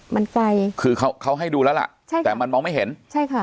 มันไกลคือเขาเขาให้ดูแล้วล่ะใช่แต่มันมองไม่เห็นใช่ค่ะ